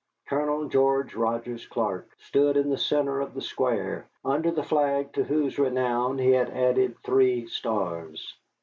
Colonel George Rogers Clark stood in the centre of the square, under the flag to whose renown he had added three stars.